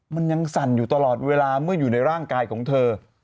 มันยังสั่นอยู่ตลอดเวลาเมื่ออยู่ในร่างกายของเธอ